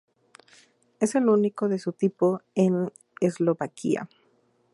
Es el único de su tipo en Eslovaquia.